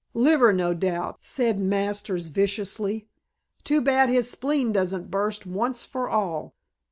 "Liver, no doubt," said Masters viciously. "Too bad his spleen doesn't burst once for all."